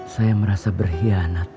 saya merasa berhianat